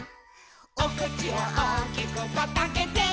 「おくちをおおきくパッとあけて」